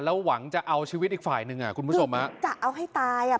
หวังจะเอาชีวิตอีกฝ่ายหนึ่งอ่ะคุณผู้ชมฮะจะเอาให้ตายอ่ะ